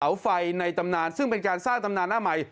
ไฟในตำนานซึ่งเป็นการสร้างตำนานหน้าใหม่